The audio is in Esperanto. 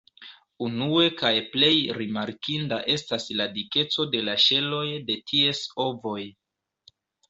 Unue kaj plej rimarkinda estas la dikeco de la ŝeloj de ties ovoj.